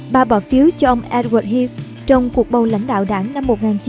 bà bỏ phiếu cho ông edward heath trong cuộc bầu lãnh đạo đảng năm một nghìn chín trăm sáu mươi năm